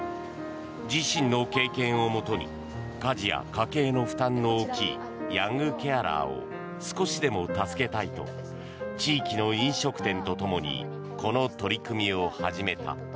自身の経験をもとに家事や家計の負担の大きいヤングケアラーを少しでも助けたいと地域の飲食店とともにこの取り組みを始めた。